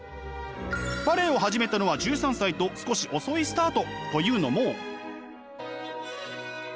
バレエを始めたのは１３歳と少し遅いスタート。というのも。